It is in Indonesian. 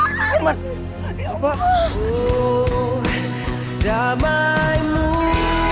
sudahlah jangan kau masalahkan terus